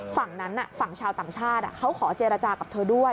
ฝั่งนั้นฝั่งชาวต่างชาติเขาขอเจรจากับเธอด้วย